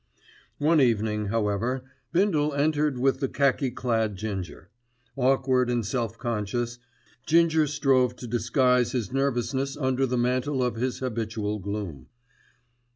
One evening, however, Bindle entered with the khaki clad Ginger. Awkward and self conscious, Ginger strove to disguise his nervousness under the mantle of his habitual gloom.